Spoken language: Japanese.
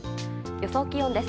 予想気温です。